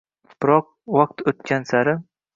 biroq vaqt o‘tgan sari